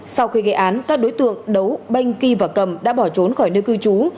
sau khi gây án các đối tượng đấu bênh kì và cầm đã bỏ trốn khỏi nơi cư trú